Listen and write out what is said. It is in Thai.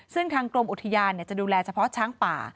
ซึ่งทางกรมอุทยานจะดูแลเฉพาะช้างป่า